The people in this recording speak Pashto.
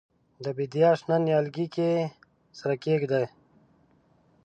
د بیدیا شنه نیالۍ کې سر کښېږدي